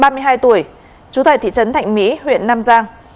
là nguyễn văn tú sinh ba mươi hai tuổi trú tại thị trấn thạnh mỹ huyện nam giang